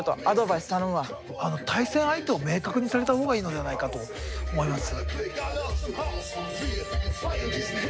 対戦相手を明確にされたほうがいいのではないかと思います。